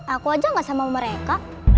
aku aja gak sama mereka